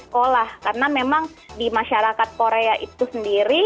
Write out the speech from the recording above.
karena memang di masyarakat korea itu sendiri